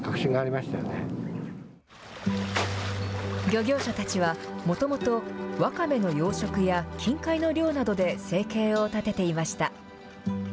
漁業者たちは、もともとワカメの養殖や近海の漁などで生計を立てていました。